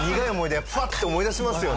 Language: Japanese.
フワッて思い出しますよね。